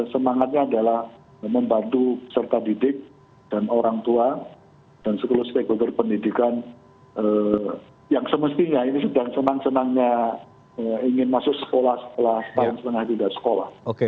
semangatnya adalah membantu peserta didik dan orang tua dan seluruh stakeholder pendidikan yang semestinya ini sudah senang senangnya ingin masuk sekolah setelah setahun setengah tidak sekolah